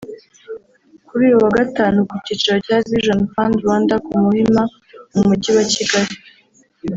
Kuri uyu wa Gatanu ku cyicaro cya Vision Fund Rwanda ku Muhima mu Mujyi wa Kigali